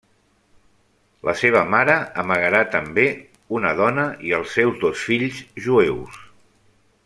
La seva mare amagarà també una dona i els seus dos fills jueus.